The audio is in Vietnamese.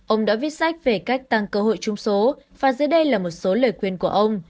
ông đã viết sách về cách tăng cơ hội chung số và dưới đây là một số lời quyền của ông